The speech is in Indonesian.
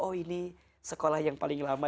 oh ini sekolah yang paling lama